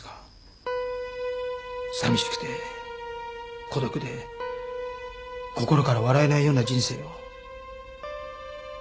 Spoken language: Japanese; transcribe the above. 寂しくて孤独で心から笑えないような人生を。